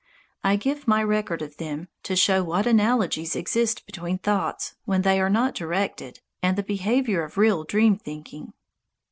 I give my record of them to show what analogies exist between thoughts when they are not directed and the behaviour of real dream thinking.